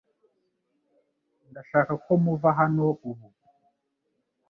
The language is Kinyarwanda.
Ndashaka ko muva hano ubu